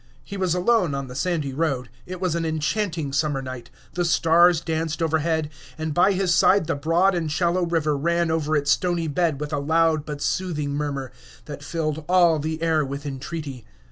He was alone on the sandy road; it was an enchanting summer night; the stars danced overhead, and by his side the broad and shallow river ran over its stony bed with a loud but soothing murmur that filled all the air with entreaty.